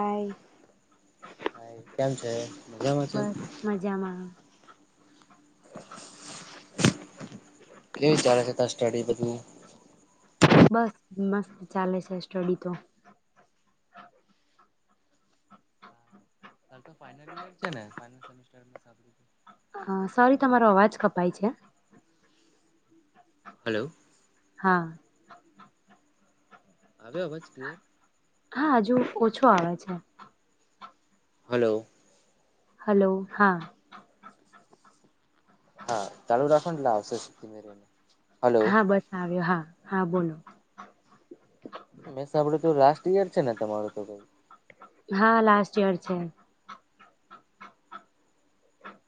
આ હા કેમ છે મજામાં છે બસ મજામાં એવી વિચલે છે ત સ્ટડી બધું બસ મસ્ત ચાલે છે સ્ટડી તો સાંભળ અ સોરી તમારો અવાજ કપાય છે હલો હા આવાજ ક હા હજુ ઓછો આવે છે. હલો. હલો હા. હા ચાલુ રાખો એટલે આવશે સુખીમેરીને. હા બસ આવ્યો. હા. હા બોલો. અહીંયા જ છે ને તમારું તો ભઈ. હા લાસ્ટ યર છે.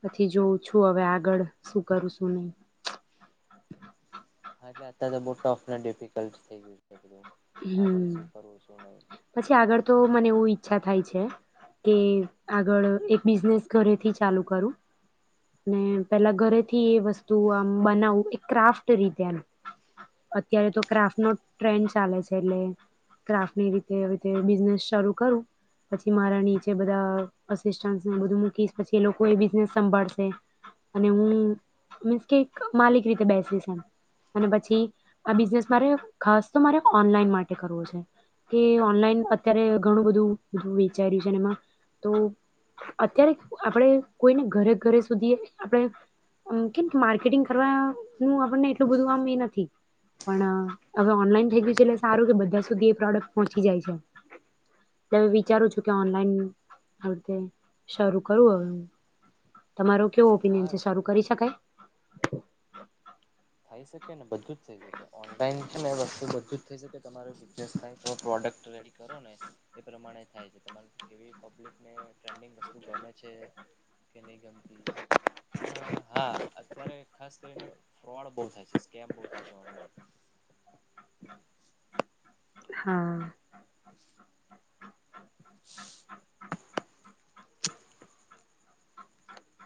પછી જોઉં છું હવે આગળ શું કરું શું ની. હા એટલે અત્યારે તો બહુ ટફ ને ડિફિકલ્ટ થઇ ગયું છે બધું. આગળ હમ્મ, શું કરવું શું નહી પછી આગળ તો મને એવું ઈચ્છા થાય છે કે આગળ એક બિઝનેસ ઘરેથી ચાલુ કરું ને પેલા ઘરેથી એ વસ્તુ આમ બનાવું એ ક્રાફ્ટ રીતેનું અત્યારે તો ક્રાફ્ટ નો ટ્રેન્ડ ચાલે એલે ક્રાફની રીતે રી બિઝનેસ શરૂ કરું પછી મારા નીચે બધા અસિસ્ટન્સ ને બધું મૂકી પછી એ બિઝનેસ સંભાળશે અને હું મીન્સ કે એક માલિક રીતે બેસીશ અને પછી આ બિઝનેસ મારે ખાસ તો મારે ઓનલાઈન માટે કરવો છે કે ઓનલાઈન અત્યારે ઘણું બધું બધ વેચાર્યું છે એમાં. તો અત્યારે આપણે કોઈને ઘરે ઘરે સુધી આપણે અ કેમ કે માર્કેટિંગ કરવા હું આપણને એટલું બધું આમ એ નથી. પણ હવે ઓનલાઈન થઈ ગયુ. એટલે સારું કે બધા સુધી એ પ્રોડક્ટ પહોંચી જાય છે. વલ વિચારું છું કે ઓનલાઈન [unintelligible] શરૂ કરું હવે હું. તમારું કેવું ઓપિનિયન હા છે, શરૂ કરી શકાય? થઈ શકે ને બધું જ થઈ શકે. ઓનલાઈન છે ને વસ્તુ બધું જ થઈ શકે. તમારો બિઝનેસ થાય પણ પ્રોડક્ટ રેડી કરો ને એ પ્રમાણે થાય છે. તમારે કેવી પબ્લિકને ટ્રેન્ડિંગ વસ્તુ ગમે છે કે નહીં ગમ [inaudible] પણ હા અત્યારે ખાસ કરીને ફ્રોડ બહુ થાય છે, સ્કેમ બહુ થાય છે ઓનલાઈન. હા. [inaudible]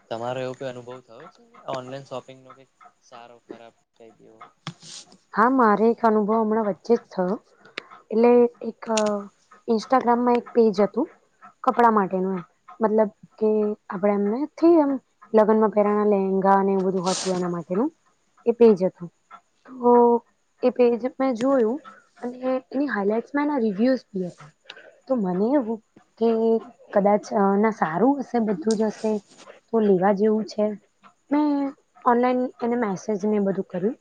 તમારો એવો ક અનુભવ થયો છે ઓનલાઈન શોપિંગ નો ક સારો ખરાબ કઈ દેવો. હા મારે એક અનુભવ હમણાં વચ્ચે જ થયો એટલે એક ઇન્સ્ટાગ્રામમાં એક પેજ હતું કપડા માટેનું એમ મતલબ કે આપણે એમને થ એમ લગ્નમાં પહેરાના લેંગા અને એવ બધું હતું એના માટેનું એ પેજ હતું. તો એ પેજ મેં જોયું અને એની હાઈલાઈટમાં એના રિવ્યુઝ બી હતા તો મને એવું કે કદાચ ના સારું હશે બધું જ હશે તો લેવા જેવું છે મેં ઓનલાઈન એને મેસેજ મેને બધું કર્યું.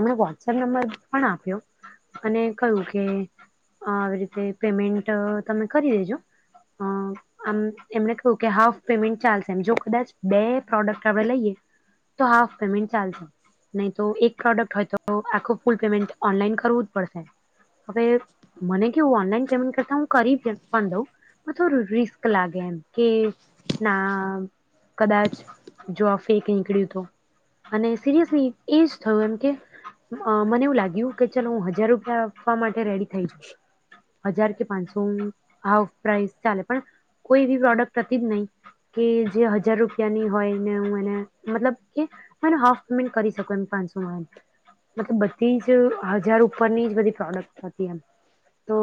એમણે વોટ્સએપ નંબર પણ આપ્યો અને કહ્યું કે આવી રીતે પેમેન્ટ તમે કરી દેજો આમ એમણે કહ્યું કે હાફ પેમેન્ટ ચાલશે એમ જો કદાચ બે પ્રોડક્ટ આપણે લઈએ તો હાફ પેમેન્ટ ચાલશે નહીં તો એક પ્રોડક્ટ હોય. તો આખું ફૂલ પેમેન્ટ ઓનલાઈન કરવું જ પડશે હવે મને કેવું ઓનલાઈન પેમેન્ટ કરતા હું કરી પણ દઉં પણ થોડું રિસ્ક લાગે એમ કે ના કદાચ જો આ ફેક નીકળ્યું તો અને સિરિયસલી એ જ થયું એમ કે મને એવું લાગ્યું કે ચાલ હું હજાર રૂપિયા આપવા માટે રેડી થઈ જઈશ હજાર કે પાંચસો હાફ પ્રઇસ ચાલે પણ કોઈ એવી પ્રોડક્ટ હતી જ નહી કે જે હજાર રૂપિયાની હોય ને હું એને મતલબ કે હ એ હાફ પેમેન્ટ કરી શકું એમ પાંચસોમાં મતલબ બધી જ હજાર ઉપરની જ બધી પ્રોડક્ટ હતી એમ તો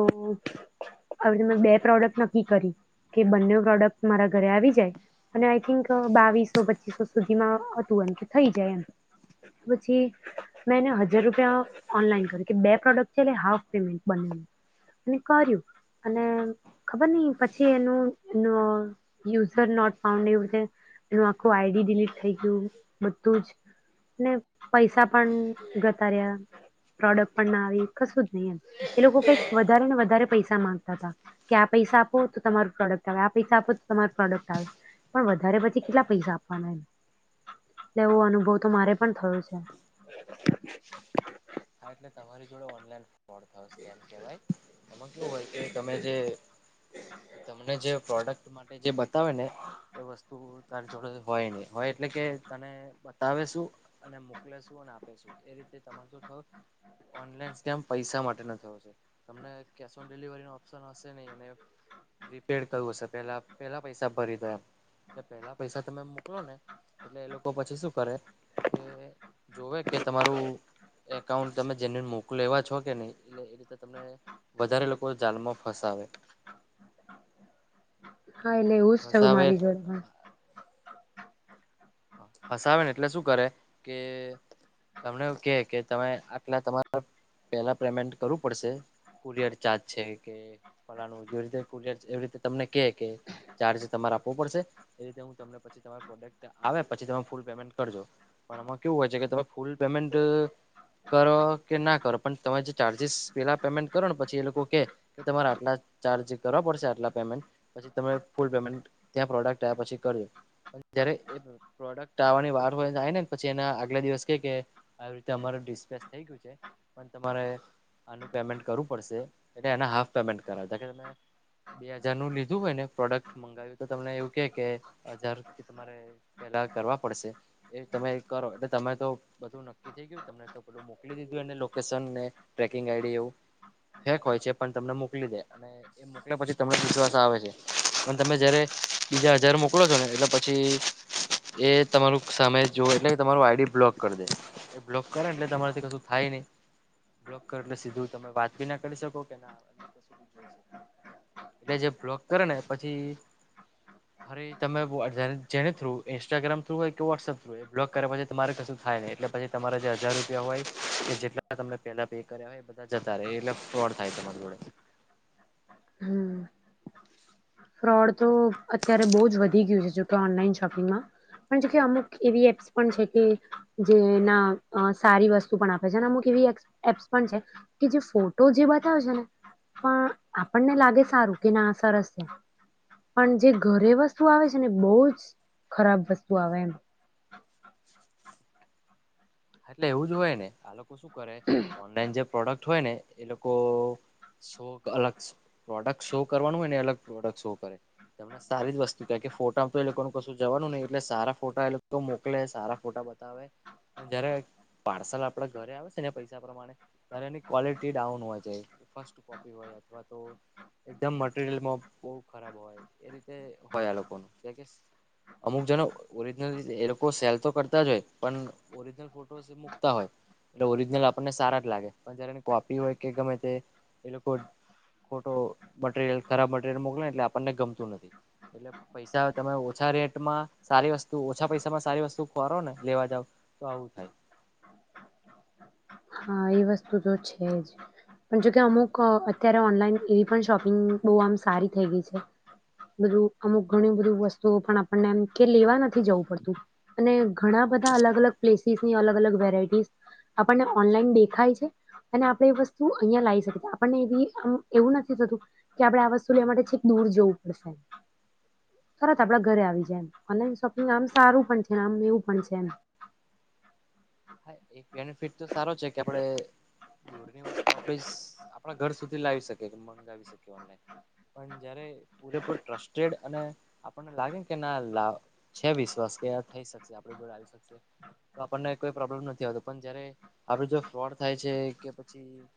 હવે મેં બે પ્રોડક્ટ નક્કી કરી કે બંને પ્રોડક્ટ મારા ઘરે આવી જાય અને આઈ થિંક બાવીસો પચીસો સુધીમાં હતું એમ કે થઈ જાય એમ પછી મેં એને હજાર રૂપિયા ઓનલાઈન કર્યું કે બે પ્રોડક્ટ છે એટલે હાફ પેમેન્ટ બનેલું અને કર્યું અને ખબર નઈ પછી એનું યુઝર નોટ ફાઉન્ડ એવ એનું આખું આઈડી ડિલીટ થઈ ગયું બધું જ અને પૈસા પણ ગતાર્યા પ્રોડક્ટ પણ ના આવી કશું જ નહી. એ લોકો કઈક વધારે ને વધારે પૈસા માંગતા હતા કે આ પૈસા આપો તો તમાર પ્રોડક્ટ આવે આ પૈસા આપો તો તમાર પ્રોડક્ટ આવે પણ વધારે પછી કેટલા પૈસા આપવાના એ એટલે એવો અનુભવ તો મારે પણ થયો છે. હ. આ રટને તમારી જોડ ઓનલાઈ ફો થશે એમ કેવાય એમાં કેવું હોય કે તમે જે તમને જે પ્રોડક્ટ માટે જે બતાવે ને એ વસ્તુ તારી જોડે હોય નહી હોય એટલે કે તને બતાવેશું અને મોકલેશું અને આપેશું. એ રીતે તમાર થય ઓનલાઈન જેમ પૈસા માટેનો થયોશે તમને કેશ ઓન ડિલિવરી ન ઓપ્શન હશે નહી અને રીપેડ કરું હશે પેલા પેલા પૈસા ભરી દે એમ પેલા પૈસા તમે મોકલો ને એટલે એ લોકો પછી શું કરે કે જોવે કે તમારું એકાઉન્ટ તમે જેન મોક એેવા છો કે નહી એટલે એ રીતે તમને વધારે લોકો જાલમાં ફસાવે. હા એટલે એવું જ થયું ફસાવે મારી જોડેમાં એટલે શું કરે કે તમને કે કે તમે આટલા તમારે પેલા પેમેન્ટ કરવું પડશે કુલિયર ચાર્જ છે કે ફલાું જેવી રીતે કુલિયર એવી રીતે તમને કે કે ચાર્જ તમારે આપવો પડશે એ રીતે હું તમને પછી તમા પ્રોડક્ટ આવે પછી તમે ફૂલ પેમેન્ટ કરજો પણ આમાં કેવું હોય છે કે તમે ફૂલ પેમેન્ટ કરો કે ના કરો પણ તમે જે ચાર્જિસ પહેલાં પેમેન્ટ કરો ને પછી એ લોકો કે કે તમારે આટલા ચાર્જ કરવા પડશે આટલા પેમેન્ટ પછી તમે ફૂલ પેમેન્ટ ત્યાં પ્રોડક્ટ આવ્યા પછી કરજો પણ ત્યારે એ પ્રોડક્ટ આવવાની વાર હોય આવી નેને પછી એના આગલા દિવસ કેહે કે આવી રીતે અમારે ડિસ્પ્લેસ થઈ ગયું છે પણ તમારે આનું પેમેન્ટ કરવું પડશે એટલે એના હાફ પેમેન્ટ કરાવ કે તમે બે હજારનું લીધું હોય ને પ્રોડક્ટ મંગાવ્યું તો તમને એવું કેહે કે હજાર કે તમારે પેલા કરવા પડશે એ તમે કરો એટલે તમે તો બધું નક્કી થઈ ગયું તમને તો પલું મોકલી દીધું એ લોકેશન ને ટ્રેકિંગ આઈડી એવું ફેક હોય છે પણ તમને મોકલી દે અને એ મોકલ પછી તમને વિશ્વાસ આવે છે પણ તમે જયારે બીજા હજાર મોકલો છો ને એટલે પછી એ તમારું સામે જો એટલે તમારું આઈડી બ્લોક કરી દે એ બ્લોક કરે ને એટલે તમારાથી કશું થાય નહી બ્લોક કરે એટલે સીધું તમે વાત બી ના કરી શકો કે ના કી જોઈ શકો એટલે જે બ્લોક કરે ને પછી ફરી તમે જેને થ્રુ ઇન્સ્ટાગ્રામ થ્રુ હોય કે વોટ્સઅપ થ્રુ એ બ્લોગ કર્યા પછી તમારે કશું થાય નહી એટલે પછી તમારે જે હજાર રૂપિયા હોય કે જેટલા તમે પેલા પે કર્યા હોય એ બધા જતા રહે એટલે ફ્રોડ થાય તમારી જોડે. હમ્મ. ફ્રોડ તો અત્યારે બહુ જ વધી ગયું છે જોકે ઓનલાઈન શોપિંગમાં પણ જોકે અમુક એવી એપ્સ પણ છે કે જે ના સારી વસ્તુ પણ આપે છે અમુક એવી એપ્સ પણ છે કે જે ફોટો જે બતાવે છે ને પણ આપણને લાગે સારું કે ના સરસ છે પણ જે ઘરે વસ્તુ આવે છે ને બહુ જ ખરાબ વસ્તુ આવે. એટલે એવું જ હોય ને ઓનલાઈન જે પ્રોડક્ટ ઠ હોય ને એ લોકો શો અલગ પ્રોડક્ટ શો કરવાનું હોય ને અલગ પ્રોડક્ટ શો કરે તમને સારી જ વસ્તુ ક ફોટામાં તો એ લોકો કશું જવાનું નહી એટલે સારા ફોટા એ લોકો મોકલે સારા ફોટા બતાવે પણ જારે પાર્સલ આપડા ઘરે આવે છે ને પૈસા પ્રમાણે ત્યારે એની ક્વલિટી ડાઉન હોય જાય ફસ્ટ કોપી હોય અથવા તો એકદમ મટરિયલમાં બહ ખરાબ હોય એ રીતે હોય આ લોકો ન અમુક જનો ઓરજનલ એ લોકો સેલ તો કરતા જ હોય પણ ઓરજનલ મકતા હોય એટલે ઓરિજિનલ આપણને સારા જ લાગે પણ જયારેની કોપી હોય કે ગમે તે એ લોકો ખોટો મટરિયલ ખરાબ મટરિયલ મોકલે ને એટલે આપણને ગમતું નથી એટલે પૈસા તમે ઓછા રેટમાં સારી વસ્તુ ઓછા પૈસામાં સારી વસ્તુ ખરો ને લેવા જાવ તો આવું થાય. હા એ વસ્તુ તો છે જ પણ જોકે અમુક અત્યારે ઓનલાઈન એવી પણ શોપિંગ બહુ આમ સારી થઈ ગઈ છે બધું અમુક ઘણી બધી વસ્તુઓ પણ આપણનેમ કે લેવા નથી જવું પડતું અને ઘણા બધા અલગ અલગ પ્લેસીસ ની અલગ અલગ વેરાયટીસ આપણને ઓનલાઈન દેખાય છે અને આપણે એ વસ્તુ અહિયાયા લાવી શકીએ આપણને એ એવું નથી થતું કે આપણેે આ વસ્તુ લે માટે છેક દૂર જવું પડશે તરત આપડા ઘરે આવી જાય એમ ઓનલાઈન શોપિંગ આમ સારું પણ છે આમ એવું પણ છે એમ. હા એક બેનિફિટ તો સારો છે કે આપણે દૂરની વસ્તુ આપ આપણા ઘર સુધી લાવી શકીએ મંગાવી શકીએ ઓનઈ પણ જયારે પૂરેપૂ ટ્રસ્ટેડ અને આપણને લાગેને કે ના છે વીસ વર્ષ કે આ થઈ શકશે આપ જોડ આવી શકશે તો આપણને કોઈ પ્રોબ્લેમ નથી આવતો પણ જયારે આપડ જો ફ્રોડ થાય છે કે પછી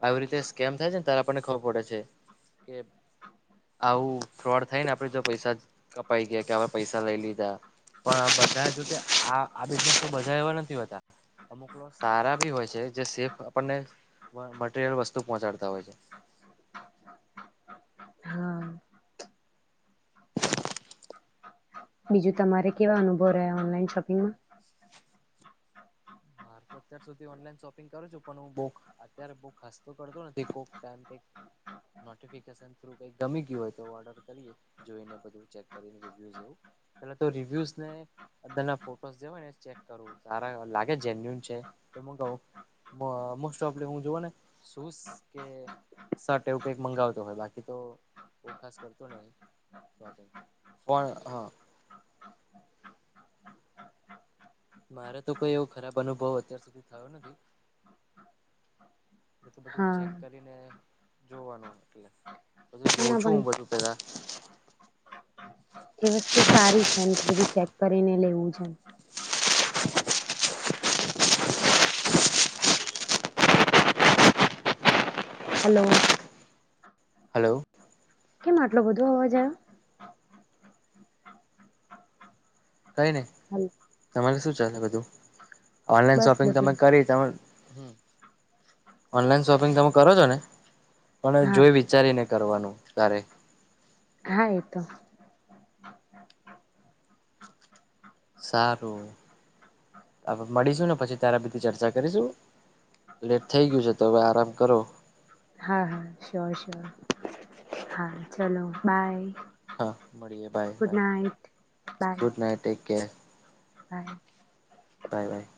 આવી રીતે સ્કેમ થાય છે ને ત્યારે આપણને ખબર પડે છે કે આવું ફ્રોડ થાયને આપણે જો પૈસા કપાઈ ગયા કે પૈસા લઈ લીધા પણ આ બધા જો બિઝનેસ તો બધા એવા નથી હોતા અમુક સારા બી હોય છે જે સેફ આપણને મટીરિયલ વસ્તુ પહોંચાડતા હોય છે. હા બીજું તમારે કેવા અનુભવ રહ્યા ઓનલાઈન શોપિંગમાં? [inaudible] જેન્યુન છે તો મંગાવ મોસ્ટ ઓફ હું જો ને શસ કે સટ એવું કઈક મંગાવતો હોય બાકી તો ખાસ કરતો નહી મારે તો કોઈ એવો ખરાબ અનુભવ અત્યાર સુધી થયો નથી બધું હા ચેક કરીને જોવાનું એટલે હા જોઉં ના છું પણ હું બધું પેલા. એ વસ્તુ સારી છે એમ કે બધું ચેક કરીને લેવું છે. હલો. હલો. કેમ આટલો બધો અવાજ આવે. કઈ નહી હલો, તમારે શું ચાલે બધું? ઓનલાઈન બસ શોપિંગ તમે બધું કરી તમે ઓનલાઈન શોપિંગ તમે કરો છો ને? પણ હા જોઈ વિચારીને કરવાનું ત્યારે હા એતો. સારું હવે મળીશું ને પછી ત્યારે બીધી ચર્ચા કરીશું લેટ થઈ ગયું છે તો હવે આરામ કરો. હા હા શ્યોર શ્યોર હા ચલો બાય. હા મળીએે bye good night bye good night take care. હા. Bye by.